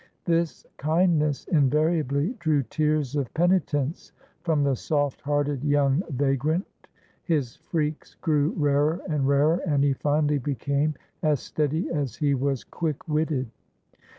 This kindness invariably drew tears of penitence from the soft hearted young vagrant, his freaks grew rarer and rarer, and he finally became as steady as he was quick witted.